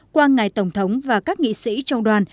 qua ngài tổng thống và các nghị sĩ trong đoàn